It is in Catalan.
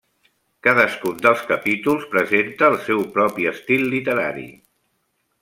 Cadascun dels capítols presenta el seu propi estil literari.